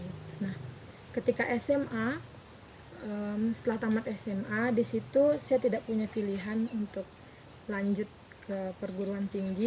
nah ketika sma setelah tamat sma di situ saya tidak punya pilihan untuk lanjut ke perguruan tinggi